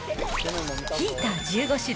ヒーター１５種類